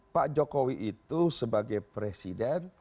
pak jokowi itu sebagai presiden